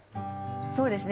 そうですね